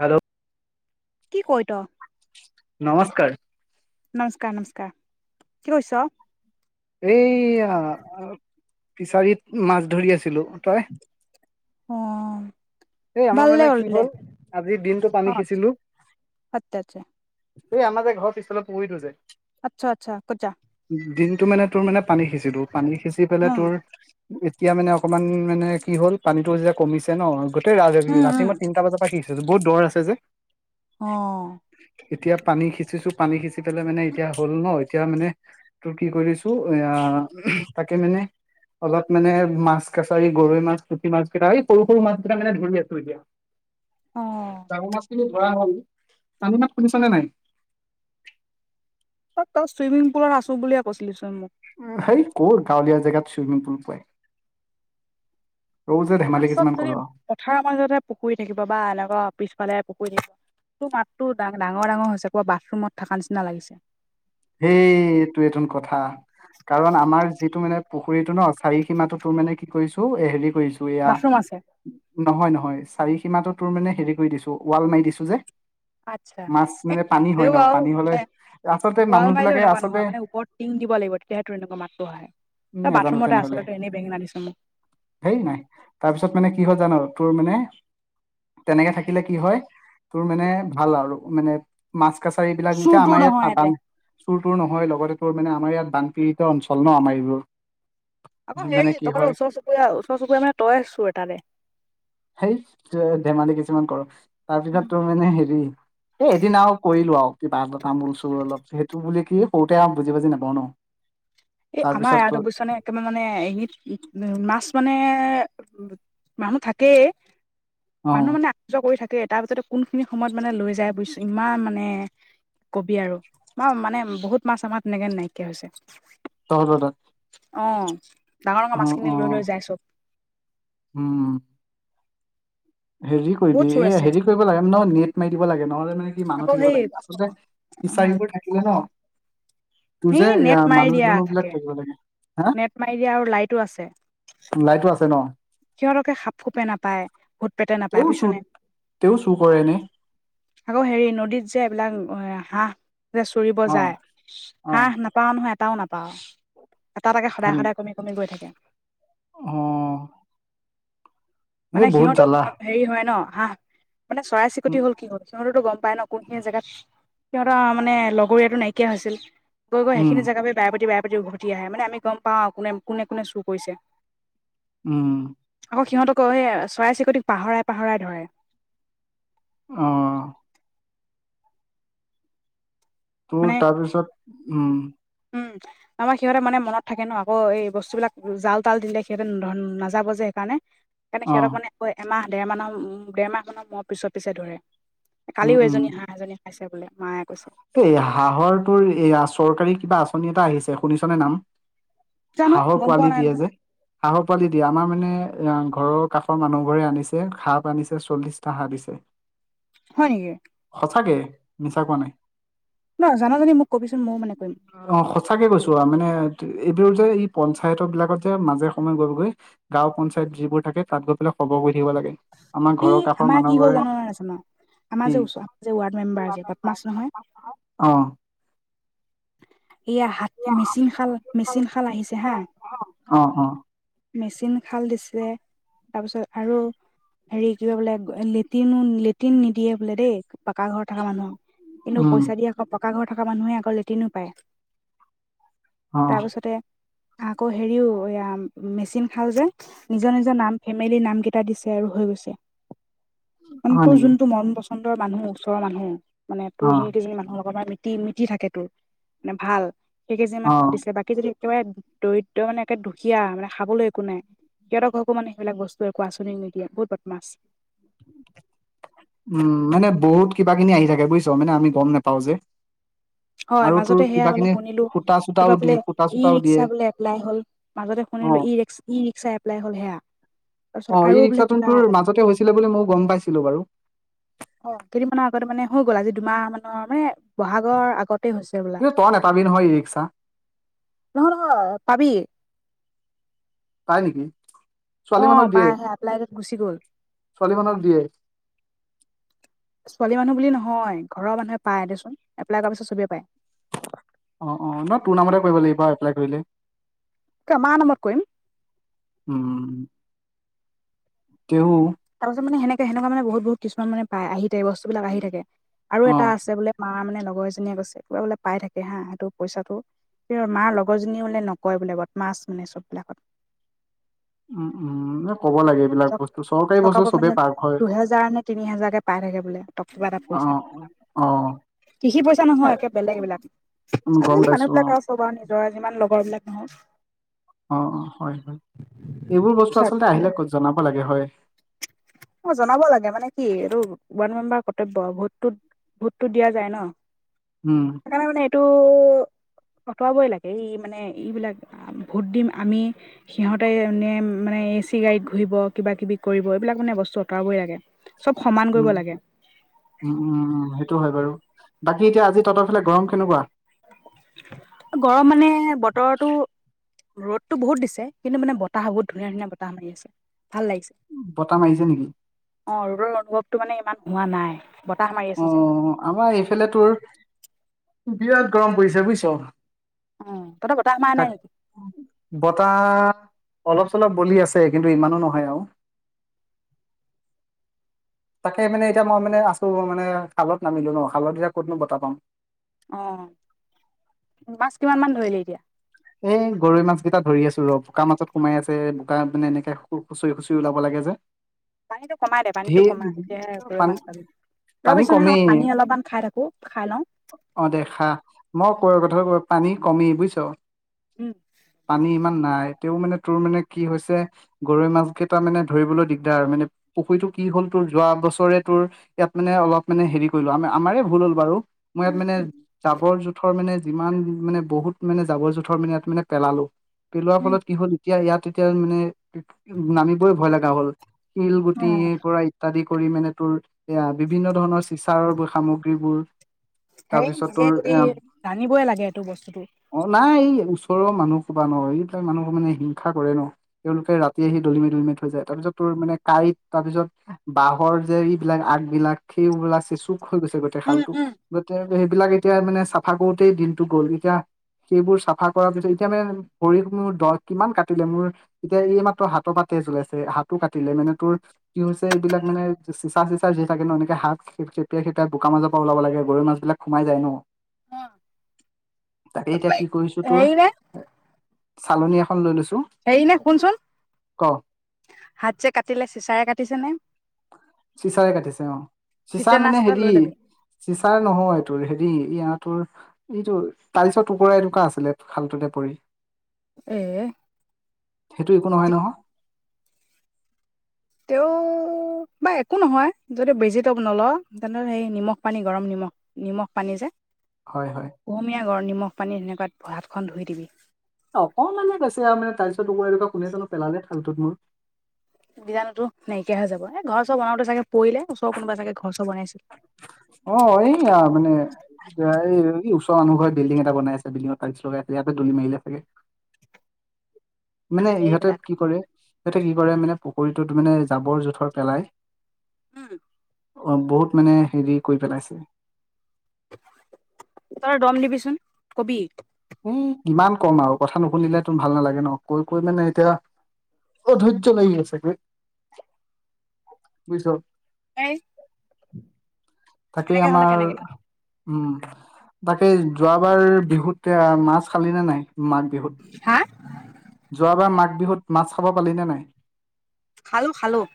Hello? কি কয় ত' নমস্কাৰ। নমস্কাৰ, নমস্কাৰ কি কৰিছ'? এইয়া, ফিচাৰত মাছ ধৰি আছিলো। তই? অ [inaudible] এই আমাৰ ভাললে মানে কি দে হ'ল, আজি দিনটো অ পানী আচ্ছা সিঁচিলো আচ্ছা এই আমাৰ যে, ঘৰৰ পিছফালৰ পুখুৰীতো যে আচ্ছা, আচ্ছা, ক'ত যা? দিনটো মানে তোৰ মানে পানী সিঁচিলো, পানী সিঁচি পেলাই উম তোৰ এতিয়া মানে অকমান মানে কি হ'ল, পানীতো যে কমিছে নহ এই উম [unintelligible] উম ৰাতি মই তিনটা বজা পৰা সিঁচিছিলো বহুত দ' আছে যে। অ'। এতিয়া পানী সিঁচিছো, পানী সিঁচি পেলাই মানে এতিয়া হ'ল নহ, এতিয়া মানে তোৰ কি কৰি [unintelligible] এয়া তাকে মানে অলপ মানে মাছ কাছাৰি গৰৈ মাছ, পুঠি মাছ কিতা। এই সৰু সৰু মাছ কিতা মানে ধৰি আছো এতিয়া। অ ডাঙৰ মাছখিনি ধৰা হ'ল, পানীৰ মাত শুনিছনে নাই? অ', তই চুইমিং পোলত আছো বুলিয়ে কৈছিলিচোন মোক? উম, হেই ক'ত গাঁৱলীয়া জেগাত চুইমিং পুল পাই। ধেমালি কিছুমান [unintelligible] যদি কৰো আৰু পথাৰৰ মাজতে পুখুৰী থাকিব বা [unintelligible] পিছফালে পুখুৰী তোৰ মাতটো ডা-ডাঙৰ ডাঙৰ হৈছে, ক'বাত বাথৰুমত থাকা নিচিনা লাগিছে। হেই টোৱেটোন কথা। কাৰণ আমাৰ যিটো মানে পুখুৰীটো নহ, চাৰি সীমাটো তোৰ মানে কি কৰিছো এ হেৰি কৰিছো এয়া, বাথৰুম আছে নহয় নহয় চাৰি সীমাটো তোৰ মানে হেৰি কৰি দিছো উৱাল মাৰি দিছো যে আচ্ছা মাছ এ মানে পানী হয় নহ, পানী হলে [unintelligible] উৱাল মাৰিলেও বিলাকে এনেকুৱা আচলতে নহয়, মানে ওপৰত টিং দিব লাগিব। তেতিয়াহে তোৰ এনেকুংৱা মাতটো আহে। উম তই নাজানো বাথৰুমতে আছ, তেনেহলে তইটো এনেই বেঙেনা দিছ' মোক। হেই নাই, তাৰপিছত মানে কি হ'ল জান তোৰ মানে তেনেকে থাকিলে কি হয়, তোৰ মানে ভাল আৰু মানে মাছ কাছাৰি এইবিলাক চুৰ এতিয়া তোৰ আমাৰ নহয় ইয়াত ইয়াতে [unintelligible] চোৰ তোৰ নহয়, লগতে তোৰ মানে আমাৰ ইয়াত বানপীড়িত অঞ্চল নহ আমাৰ এইবোৰ। আকৌ মানে হেৰি, কি তই [unintelligible] হয় ওচৰ চুবুৰীয়া ওচৰ চুবুৰীয়া মানে তয়েই [unintelligible] [unintelligible] ধেমালি কিছুমান কৰ। তাৰপিছত তোৰ মানে হেৰি, এ এদিন আৰু কৰিলো আৰু কিবা [unintelligible] তামোল [unintelligible] বুলি কি, সৰুতে আৰু বুজি বাজি নেপাওঁ নহ। এ, আমাৰ [unintelligible] বুইচনে একেবাৰে মানে [unintelligible] মাছ মানে মানুহ থাকেই। অ মানুহ মানে অহা যোৱা কৰি থাকেই। তাৰ পিছতে কোন খিনি সময়ত মানে লৈ যায় বুজছ ইমান মানে কবি আৰু মা মানে বহুত মাছ আমাৰ তেনেকে নাইকিয়া হৈছে। তহঁতৰতাত অ, ডাঙৰ ডাঙৰ অ মাছখিনি লৈ লৈ যাই চব। উম হেৰি বহুত কৰিবি, চোৰ এ আছে হেৰি কৰিব লাগে নহ নেট মাৰি দিব লাগে নহলে মানে কি মানুহ আকৌ থাকিব সেই লাগিব। আচলতে, অ ইিচাৰিবোৰ থাকিলে ন তোৰ যে এই নেট ইয়াৰ মাৰি মানহ দিয়া দুনুহ থাকে বিলাক থাকিব লাগে। হা নেট মাৰি দিয়া আৰু লাইটো আছে লাইটটো আছে ন। সিহঁতকে খাপ খোপে নাপায়। ভূত পেটে নাপায় তেওঁ বুজিছা চুৰ নে, তেওঁ চুৰ কৰে এনে আকৌ' হেৰি নদীত যে এইবিলাক হাঁহ, যে চৰিব অ যায় অ হাঁ নাপাওঁ নহয় এটাও নাপাওঁ। এটা এটাকে হয় সদাই নেকি সদাই কমি কমি গৈ থাকে। অ'। এই মানে বহুত সিহঁতৰও জ্বালা মনত হেৰি হয় ন হাঁহ মানে চৰাই চিকতি উম হ'ল কি হ'ল। সিহঁততো গম পাই ন, কোনখিনি জেগাত সিহঁতৰ মানে লগৰীয়াটো নাইকিয়া হৈছিল। গৈ গৈ উম সেইখিনি জগা বায়ে পতি বায়ে পতি উভতি আহে। মানে আমি গম পাওঁ আৰু কোনে কোনে কোনে চুৰ কৰিছে। উম। আকৌ' সিহঁতক চৰাই চিৰিকটিক পাহৰাই পাহৰাই ধৰে। অঁ। মানে তোৰ তাৰপিছত, উম'। উম' আমাৰ সিহঁতে মানে মনত থাকে ন, আকৌ এই বস্তুবিলাক জাল তাল দিলে সিহঁতে নাযাব যে সেইকাৰণে। কাৰণে অ সিহঁতক মানে ক এমাহ দেৰমাহ ডেৰ মাহ মানৰ মূৰ [unintelligible] পিছৰ পিছে ধৰে। উম কালিও উম এজনী হাঁহ এজনী খাইছে বোলে মায়ে কৈছে। এই হাঁহৰ তোৰ এয়া চৰকাৰী কিবা আঁচনি এটা আহিছে শুনিছনে নাম? জানো হাঁহৰ গম পোৱা পোৱালি নাই দিয়ে নহয় যে। হাঁহৰ পোৱালি দিয়ে আমাৰ মানে এ ঘৰৰ কাষৰ মানুহ ঘোৰে আনিছে সাপ আনিছে চল্লিশটা হাঁহ দিছে। হয় নেকি। সঁচাকে মিছা কোৱা নাই। নহয়, জান যদি মোক কবিচোন ময়ো মানে কৰিম। অ' সঁচাকে কৌছো, আৰু মানে এইবোৰ যে এই পঞ্চায়তৰ বিলাকত যে মাজে সময়ে গৈ গৈ। গাঁও পঞ্চায়ত যিবোৰ থাকে তাত গৈ পেলাই খবৰ কৰি থাকিব লাগে। আমাৰ ই ঘৰৰ কাষৰ আমাৰ মানুহঘৰে [unintelligible] যে ওচৰ যে ৱাৰ্ড মেম্বাৰ যে বদমাছ নহয় [unintelligible] এয়া হাত মেচিন খাল মেচিন খাল আহিছে হা অহ অ' অ'। মেচিন খাল দিছে, তাৰপিছত আৰু হেৰি, কিবা বোলে লেটিনো লেটিন নিদিয়ে বোলে দেই পাকা ঘৰ থকা মানুহক। কিন্তু উম পইচা দিয়া পকা ঘৰ থকা মানুহে আকৌ লেট্ৰিনো পায়। অ তাৰপিছতে, আকৌ হেৰিও এয়া মেচিন খাল যে নিজৰ নিজৰ নাম ফেমিলি নাম কেইটা দিছে আৰু হৈ গৈছে। মানে, হয় তোৰ নেকি যোনটো মন পচন্দৰ মানুহ ওচৰৰ মানুহ মানে অ তোৰ যোনটো কেইজনী মানুহৰ লগৰ মি মিতি থাকেটো মানে ভাল সেইকেইজনী অ মানুহে দিছে বাকী যদি, একেবাৰে দৰিদ্ৰ মানে একে দুখীয়া মানে খাবলৈ একো নাই, সিহঁতৰ ঘৰকো মানে সেইবিলাক বস্তু একো আঁচনি নিদিয়ে। বহুত বদমাছ। [unintelligible] উম' মানে বহুত কিবা খিনি আহি থাকে বুজিছ। মানে আমি গম নাপাওঁ যে। হয়। আৰু তোৰ মাজতে সেয়া কিবা বোলে কিনি শুনিলো সূতা চূতাও কিবা বোলে দিয়ে সূতা ই চূতাও দিয়ে ৰিক্সা বোলে এপ্লাই হল। মাজতে অ শুনিলো ই ৰিক্স, ই ৰিক্সা এপ্লাই হ'ল সেয়া। তাৰপিছত অ', আৰু ই বোলে ৰিক্সাটোন তোৰ কিবা মাজতে হৈছিলে বুলি মইও গম পাইছিলো বাৰু অ' কেইদিনমানৰ আগতে মানে হৈ গ'ল, আজি দুমাহ মানৰ মানে ব'হাগৰ আগতেই হৈছে হ'বলা, কিন্তু তই নেপাবি নহয় ই ৰিক্সা নহয়, নহয়, পাবি পাই নেকি, অ ছোৱালী মানুহক দিয়ে, পাই আহে এপ্লাই গুচি গ'ল ছোৱালী মানুহক দিয়ে। [inaudible] ছোৱালী মানুহ বুলি নহয়, ঘৰৰ মানুহে পায় দেচোন, এপ্লায় কৰাৰ পিছত সবে পায়। অ', অ', নহয়, তোৰ নামতে কৰিব লাগিব এপ্লাই কৰিলে। মাৰ নামত কৰিম। উম। তেওঁ তাৰ পাছত মানে সেনেকে সেনেকোৱা মানে বহুত বহুত কিছুমান মানে পায়, আহি থাকে বস্তুবিলাক, আহি থাকে আৰু অ এটা আছে বোলে মাৰ মানে লগৰ এজনীয়ে কৈছে, কিবা বোলে পাই থাকে হা, সেইটো পইচাটো মাৰ লগৰজনীও বোলে নকয় বোলে বদমাছ মানে সববিলাকত উম, উম, নহয় ক'ব লাগে এইবিলাক টক বস্তু চৰকাৰী বস্তু টকাবোৰ চবেই মানে পাক হয় দুহেজাৰ নে তিনি হেজাৰকে পাই থাকে বোলে, ত' কিবা এটা অ পইচা অ'। কৃষিৰ পইচা এ নহয় একে বেলেগ এইবিলাক, গম আজিকালি পাইছো মানুহ অ বিলাক আৰু সব আৰু ৰা যিমান লগৰ বিলাক নহয় অ', অ', হয়, হয়, এইবোৰ বস্তু আচলতে স্বাৰ্থ আহিলে ক'ত জনাব লাগে, হয় অ', জনাব লাগে মানে কি এইটো ৱাৰ্ড মেম্বাৰ কৰ্তব্য, ভোটটোত ভোটটো দিয়া যায় ন'। উম। সেইকাৰণে মানে এইটো অতৰাৱই লাগে, এই মানে এইবিলাক ভোট দিম আমি, সিহঁতে এনে মানে এচি গাড়ীত ঘূৰিব, কিবা কিবি কৰিব এইবিলাক মানে বস্তু আঁতৰাবই লাগে, সব সমান কৰিব উম লাগে। উম, উম, উম, সেইটো হয় বাৰু, বাকী এতিয়া আজি তহঁতৰফালে গৰম কেনেকুৱা? গৰম মানে বতৰটো ৰ'দটো বহুত দিছে, কিন্তু মানে বতাহ বহুত ধুনীয়া ধুনীয়া বতাহ মাৰি আছে, ভাল লাগিছে। বতাহ মাৰিছে নেকি? অ', ৰ'দৰ অনুভৱটো মানে ইমান হোৱা নাই, বতাহ মাৰি অ আছে যে। আমাৰ এইফালে তোৰ বিৰাট গৰম পৰিছে বুজিছ। অ', তহঁতৰ বতাহ মাৰা তাক নাই নেকি? বতাহ, অলপ চলপ বলি আছে কিন্তু ইমানো নহয় আৰু। তাকে মানে এতিয়া মই মানে আছো মানে খালত নামিলো ন' খালত এতিয়া ক'তনো বতাহ পাম। অ', মাছ কিমান মান ধৰিলি এতিয়া? এই গৰৈ মাছ কেইটা ধৰি আছো ৰ', বোকাৰ মাজত সোমাই আছে বোকা মানে এনেকে খুচৰি খুচৰি ওলাব লাগে যে। [inaudible] পানীটো কমাই দে, পানীটো কমা তেতিয়াহে ধেৰ গৰৈ পানী মাছ পাবি। পানী ৰবিচোন হা, কমেই পানী অলপমান খাই থাকো, খাই লওঁ। অ', দে, খা, মই ক কথা ক পানী কমেই বুজিছ। উম। পানী ইমান নাই, তেও মানে তোৰ মানে কি হৈছে গৰৈ মাছ কেইটা মানে ধৰিবলৈ দিগদাৰ আৰু মানে পুখুৰীটো কি হ'ল তোৰ যোৱা বছৰে তোৰ ইয়াত মানে অলপ মানে হেৰি কৰিলো, আম আমাৰ ভুল হ'ল বাৰু মই ইয়াত উম মানে উম জাবৰ জোথৰ মানে যিমান মানে বহুত মানে জাবৰ জোঁথ ইয়াত মানে পেলালো, পেলোৱাৰ উম ফলত কি হ'ল এতিয়া ইয়াত এতিয়া মানে নামি ভয় লগা হ'ল, অ শিলগুটিৰ পৰা ইত্যাদি কৰি মানে তোৰ এয়া বিভিন্ন ধৰণৰ চিচাৰৰ সামগ্ৰীবোৰ হে তাৰপিছত নিজে তোৰ যদি এ জানিবই লাগে এইটো বস্তুটো। অ', নাই, ওচৰৰ মানুহ সোপা ন, ই তাৰ মানুহ মানে হিংসা কৰে ন! তেওঁলোকে ৰাতি আহি দলিমায়ি দলিমায়ি থৈ যায়, তাৰপিছত তোৰ মানে কাঁইট, তাৰ পিছত বাঁহৰ যে এইবিলাক আগবিলাক সেইবিলাক চেচুক হৈ গৈছে গোটেই উম খালটো, উম গোটৈ সেইবিলাক এতিয়া মানে চাফা কৰোতেই দিনতো গ'ল, এতিয়া সেইবোৰ চাফা কৰা পিছত, এতিয়া মানে ভৰি খনো দছ, কিমান কাটিলে মোৰ এতিয়া এইমাত্ৰ হাতৰ পৰা তেজ ওলাইছে, হাতো কাটিলে মানে তোৰ কি হৈছে এইবিলাক মানে, চিচা টিচা যি থাকে ন, এনেকে হাত খেপিয়াই খেপাই বোকা মাজৰ পৰা ওলাব লাগে গৰৈ মাছ বিলাক। সোমাই যায় ন? অ'। তাতে এতিয়া কি কৰিছ তই? হেৰি নে চালনী এখন লৈ লৈছো। হেৰি নে শুনচোন, ক হাত যে কাটিলে চিচাৰে কাটিছে নে? চিচাৰে কাটিছে অ', চিচাৰ তিতেনাছ মানে এটা হেৰি লৈ ল'বি চিচাৰ নহয় তোৰ হেৰি, ইয়া তোৰ এইটো, তাইলছৰ টুকুৰা এটুকা আছিলে, খালটোতে পৰি। এ, সেইটো একো নহই নহয়। তেওঁও বা একো নহয়, যদি বেজিটো নলৱ, তেনেহলে সেই নিমখ পানী গৰম নিমখ নিমখ পানী যে। হয়, হয়। কুহুমীয়া গৰ নিমখ পানী এনেকুৱাত হাতখন ধুই দিবি। অকমানে বেছি আৰু মানে তাইলছৰ টুকুৰা এটোকা কোনে জানো পেলালে খালটোত মোৰ। বীজানুটো নাইকিয়া হৈ যাব। এই ঘৰ চৰ বনাওঁতে চাগে পৰিলে, ওচৰ কোনোবা চাগে ঘৰ চৰ বনাইছিল। অ', এইয়া মানে এতিয়া এই ওচৰৰ মানুহঘৰে বিল্ডিং এটা বনাই আছে, বিল্ডিঙত টাইলছ লগাই আছে, ইয়াতে দলি মাৰিলে চাগে। মানে ইহঁতে এইবিলাক কি কৰে, সিহঁতে কি কৰে মানে পুখুৰীটোত মানে জাবৰ জোথৰ পেলাই উ। অ', বহুত মানে হেৰি কৰি পেলাইছে। তই দম দিবিচোন, কবি। ও, কিমান কম আৰু কথা নুশুনিলেটো ভাল নালাগে ন, কৈ কৈ মানে এতিয়া অধৈৰ্য্য লাগি আছে বে, বুইছ? হেই। তাকেই হলে আমাৰ কেনেকে উম, তাকে যোৱাবাৰ বিহুত মাছ খালি নে নাই? মাঘ বিহুত। হাঁ। যোৱাবাৰ মাঘ বিহুত মাছ খাব পালিনে নাই? খালোঁ, খালোঁ।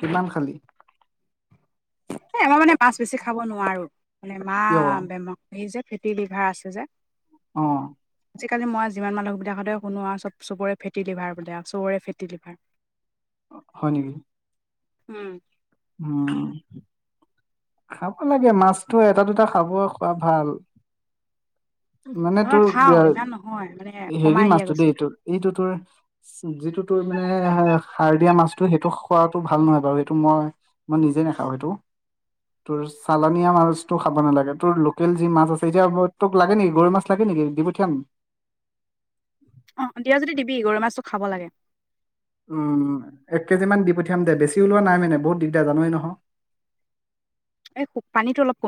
কিমান খালি? এ, আমাৰ মানে মাছ বেছি খাব নোৱাৰো, মানে মা কিয় অ বেমা এই যে ফেটি লিভাৰ আছে যে। অ'। আজিকালি মই যিমান মানুহবিলাকতে শুনো আৰু চব চবৰে ফেটি লিভাৰ বোলে চবৰে ফেটি লিভাৰ। হয় নেকি? উ। উম, খাব লাগে মাছতো এটা দুটা খাব খোৱা ভাল। মানে নহয় তোৰ খাওঁ, ইমান নহয় মানে। হেৰি কমাই দিয়া মাছটো গৈছে দেই তোৰ, এইটো তোৰ যিটো তোৰ মানে, সাৰ দিয়া মাছটো সেইটো খোৱাটো ভাল নহয় বাৰু সেইটো মই মই নিজে নাখাওঁ সেইটো। তোৰ চালানিয়া মাছতো খাব নালাগে, তোৰ লোকেল যি মাছ আছে যে তোক লাগে নেকি গৰৈ মাছ। লাগে নেকি দি পঠিয়াম [inaudible] অ', দিয়া যদি দিবি গৰৈ মাছটো খাব লাগে উম এক কেজি মান দি পঠিয়াম দে বেছি ওলোৱা নাই মানে বহুত দিগদাৰ জান‌ই নহয়। এই পানীটো অলপ কমি